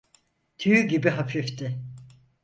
Tüy gibi hafifti.